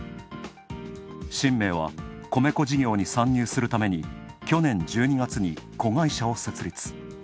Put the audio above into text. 神明は、米粉事業に参入するために去年１２月に子会社を設立。